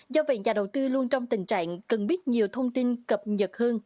do vậy nhà đầu tư luôn trong tình trạng cần biết nhiều thông tin cập nhật hơn